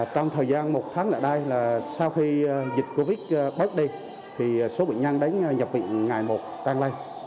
trong thời gian một tháng lại đây là sau khi dịch covid đi thì số bệnh nhân đến nhập viện ngày một tăng lây